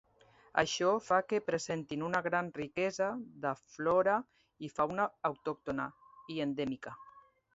Això fa que presentin una gran riquesa de flora i fauna autòctona i endèmica.